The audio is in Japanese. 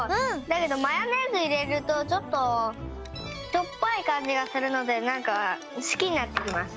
だけどマヨネーズいれるとちょっとしょっぱいかんじがするのでなんかすきになってきます。